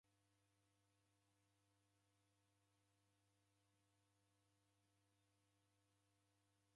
Ugho w'ungara ndoghuw'adie w'abonyi kazi w'ikate.